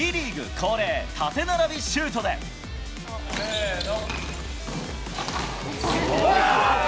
恒例、縦並びシューせーの。